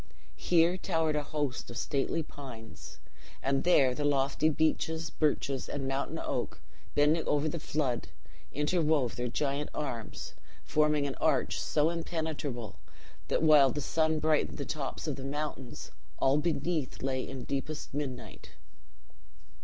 Here towered a host of stately pines; and there the lofty beeches, birches, and mountain oak, bending over the flood, interwove their giant arms; forming an arch so impenetrable, that while the sun brightened the tops of the mountains, all beneath lay in deepest midnight.